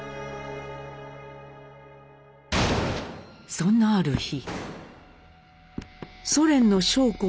そんなある日。